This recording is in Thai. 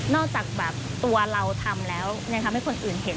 จากแบบตัวเราทำแล้วยังทำให้คนอื่นเห็น